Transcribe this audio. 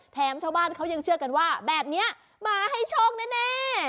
ชาวบ้านเขายังเชื่อกันว่าแบบนี้มาให้โชคแน่